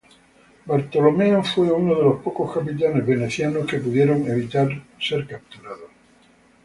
Bartolomeo fue uno de los pocos capitanes venecianos que pudieron evitar ser capturados.